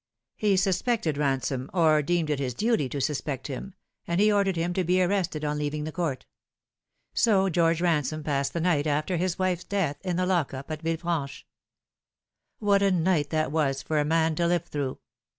He suspected Eansome, or deemed it his duty to suspect him, and he ordered him to be arrested on leaving the court ; so George Eansome passed the night after his wife's death in the lock up at Ville franche. What a night that was for a man to live through